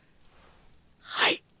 はい。